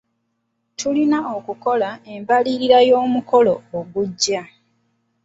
Tulina okukola embalirira y'omukolo ogujja.